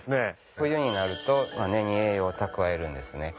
冬になると根に栄養蓄えるんですね。